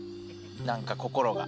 何か心が。